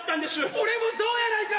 俺もそうやないか！